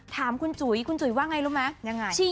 ถามคุณจุ๋ยคุณจุ๋ยว่าไงรู้ไหมยังไง